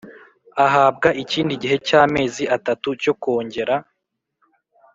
ahabwa ikindi gihe cy amezi atatu cyo kongera